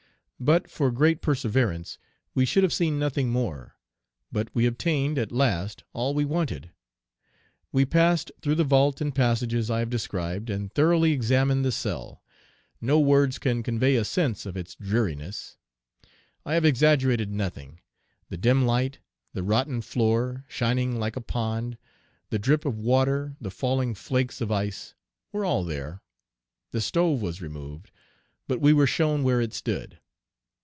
But for great perseverance, we should have seen nothing more; but we obtained, at last, all we wanted. We passed through the vault and passages I have described, and thoroughly examined the cell. No words can convey a sense of its dreariness. I have exaggerated nothing. The dim light, the rotten floor, shining like a pond, the drip of water, the falling flakes of ice, were all there. The stove was removed; but we were shown where it stood.